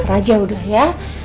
raja udah ya